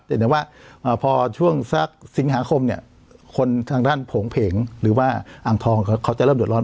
แต่ว่าพอช่วงสักสิงหาคมเนี่ยคนทางด้านโผงเพงหรือว่าอ่างทองเขาจะเริ่มเดือดร้อ